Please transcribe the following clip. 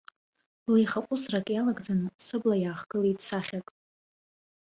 Блеихаҟәысрак иалагӡаны сыбла иаахгылеит сахьак.